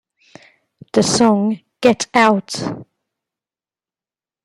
The song Get Out!